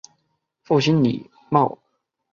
父亲李晟。